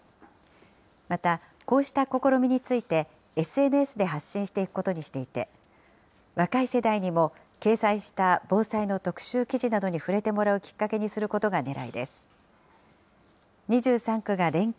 また、こうした試みについて、ＳＮＳで発信していくことにしていて、若い世代にも掲載した防災の特集記事などに触れてもらうきっかけにすることがねらいです。